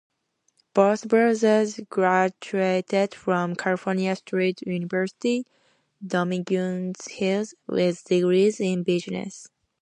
Both brothers graduated from California State University, Dominguez Hills, with degrees in Business.